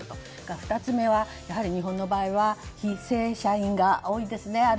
２つ目は日本の場合は非正社員が多いんですね。